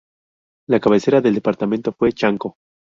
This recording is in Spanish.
La cabecera del departamento fue Chanco.